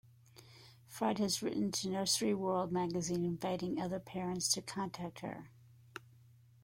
Fryd had written to "Nursery World" magazine inviting other parents to contact her.